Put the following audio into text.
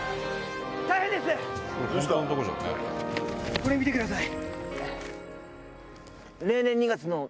これ見てください。